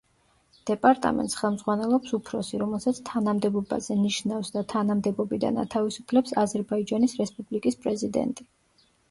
დეპარტამენტს ხელმძღვანელობს უფროსი, რომელსაც თანამდებობაზე ნიშნავს და თანამდებობიდან ათავისუფლებს აზერბაიჯანის რესპუბლიკის პრეზიდენტი.